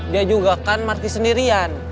dia juga kan marki sendirian